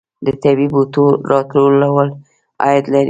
د طبیعي بوټو راټولول عاید لري